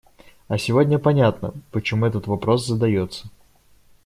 А сегодня понятно, почему этот вопрос задается.